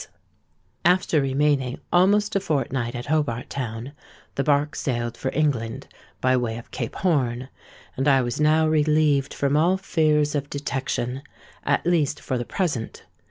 "After remaining almost a fortnight at Hobart Town, the bark sailed for England, by way of Cape Horn; and I was now relieved from all fears of detection—at least for the present.